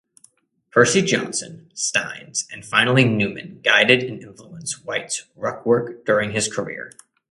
Percy Johnson, Stynes and finally Newman guided and influenced White's ruck-work during his career.